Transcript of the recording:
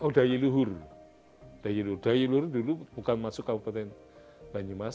oh dayi luhur dayi luhur dulu bukan masuk kabupaten banyumas